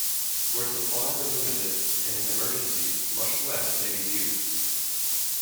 Where supplies are limited, and in emergencies, much less may be used.